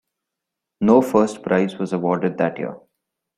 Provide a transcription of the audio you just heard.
No first prize was awarded that year.